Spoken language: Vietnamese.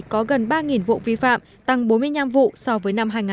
có gần ba vụ vi phạm tăng bốn mươi vụ so với năm hai nghìn một mươi bảy